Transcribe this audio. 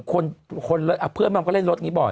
เพื่อนมันก็เล่นรถนี้บ่อย